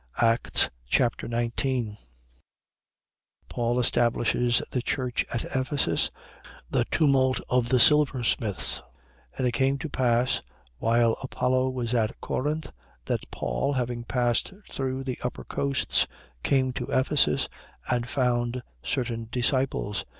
Acts Chapter 19 Paul establishes the church at Ephesus. The tumult of the silversmiths. 19:1. And it came to pass, while Apollo was at Corinth, that Paul, having passed through the upper coasts, came to Ephesus and found certain disciples.